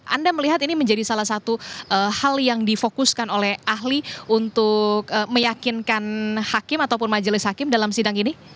anda melihat ini menjadi salah satu hal yang difokuskan oleh ahli untuk meyakinkan hakim ataupun majelis hakim dalam sidang ini